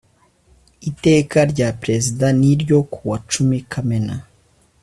iteka rya perezida n ryo ku wacumi kamena